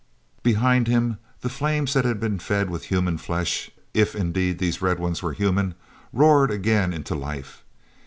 Behind him, the flames that had been fed with human flesh—if indeed these red ones were human—roared again into life.